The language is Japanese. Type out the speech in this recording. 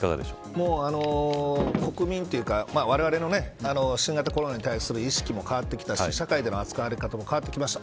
もう国民というか、われわれの新型コロナに対する意識も変わってきたし社会での扱われ方も変わってきました。